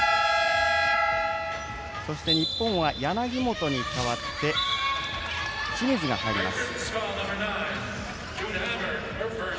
日本は柳本に代わって清水が入ります。